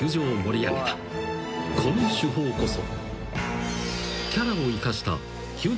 ［この手法こそ］